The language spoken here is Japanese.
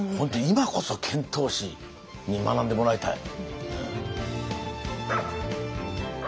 今こそ遣唐使に学んでもらいたい。